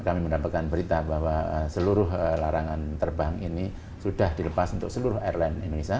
kami mendapatkan berita bahwa seluruh larangan terbang ini sudah dilepas untuk seluruh airline indonesia